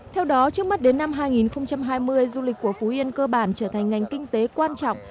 theo đó trước mắt đến năm hai nghìn hai mươi du lịch của phú yên cơ bản trở thành ngành kinh tế quan trọng